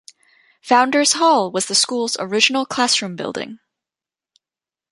Founder's Hall was the school's original classroom building.